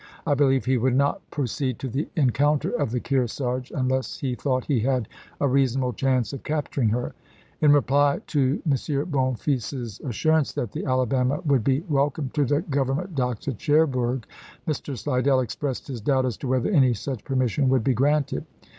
I believe he would not pro ceed to the encounter of the Kearsarge unless he thought he had a reasonable chance of capturing her." In reply to M. Bonfils's assurance that the Alabama would be welcome to the Government docks at Cherbourg, Mr. Slidell expressed his doubt as to whether any such permission would be granted.